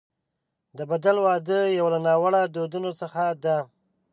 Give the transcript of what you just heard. د بدل واده یو له ناوړه دودونو څخه دی.